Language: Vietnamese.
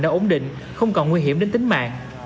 đã ổn định không còn nguy hiểm đến tính mạng